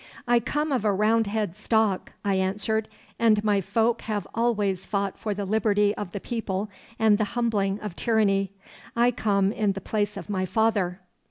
'I come of a Roundhead stock,' I answered, 'and my folk have always fought for the liberty of the people and the humbling of tyranny. I come in the place of my father.